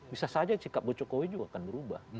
bisa saja sikap bu jokowi juga akan berubah